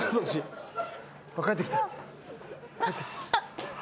帰ってきた。